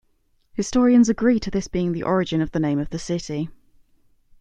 Historians agree to this being the origin of the name of the city.